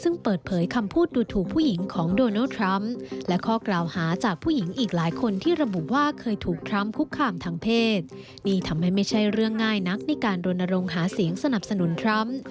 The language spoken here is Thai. นี่ทำให้ไม่ใช่เรื่องง่ายนักในการโรนโรงหาเสียงสนับสนุนทรัพย์